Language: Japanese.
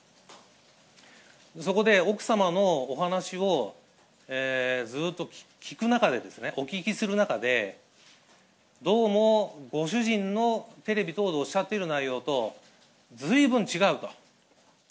そこで奥様のお話をずーっと聞く中で、お聞きする中で、どうも、ご主人のテレビ等でおっしゃっている内容と随分違うと。